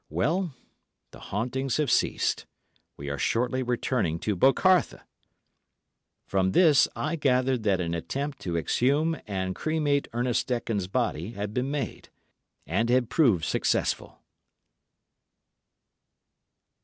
"Well, the hauntings have ceased. We are shortly returning to 'Bocarthe'!" From this I gathered that an attempt to exhume and cremate Ernest Dekon's body had been made, and had proved successful.